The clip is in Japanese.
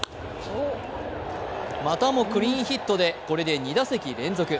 またもクリーンヒットでこれで２打席連続。